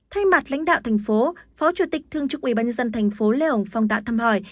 thay mặt lãnh đạo thành phố phó chủ tịch thương trực ubnd thành phố lê hồng phong đã thăm hỏi